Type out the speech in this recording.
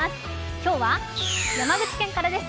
今日は山口県からです。